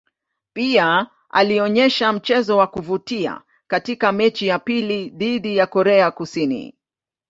Pia alionyesha mchezo wa kuvutia katika mechi ya pili dhidi ya Korea Kusini.